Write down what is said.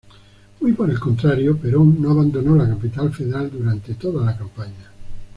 Muy por el contrario, Perón no abandonó la Capital Federal durante toda la campaña.